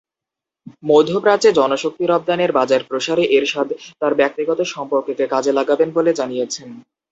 মধ্যপ্রাচ্যে জনশক্তি রপ্তানির বাজার প্রসারে এরশাদ তাঁর ব্যক্তিগত সম্পর্ককে কাজে লাগাবেন বলে জানিয়েছেন।